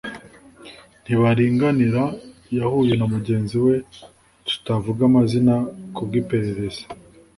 Ntibaringanira yahuye na mugenzi we tutavuga amazina ku bw’iperereza